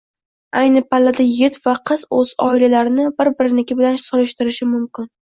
Ayni pallada yigit va qiz o`z oilalarini bir biriniki bilan solishtirishi mumkin